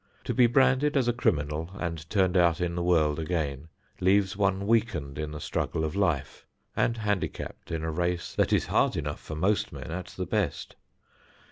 To be branded as a criminal and turned out in the world again leaves one weakened in the struggle of life and handicapped in a race that is hard enough for most men at the best.